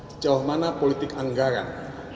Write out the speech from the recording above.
sejauh mana politik anggaran